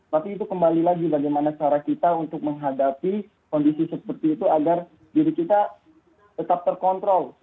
tapi itu kembali lagi bagaimana cara kita untuk menghadapi kondisi seperti itu agar diri kita tetap terkontrol